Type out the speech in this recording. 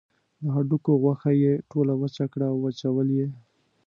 د هډوکو غوښه یې ټوله وچه کړه وچول یې.